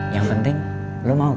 yang penting lo mau